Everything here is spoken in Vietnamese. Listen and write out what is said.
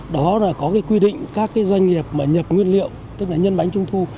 đó là có quy định các doanh nghiệp nhập nguyên liệu tức là nhân bánh trung thu